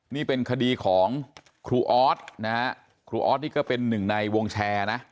นี่เป็นคดีของครูออสนะฮะครูออสนี่ก็เป็นหนึ่งในวงแชร์นะ